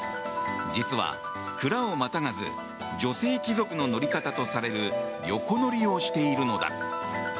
実は、鞍をまたがず女性貴族の乗り方とされる横乗りをしているのだ。